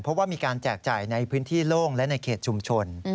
เพราะว่ามีการแจกจ่ายในพื้นที่โล่งและในเขตชุมชน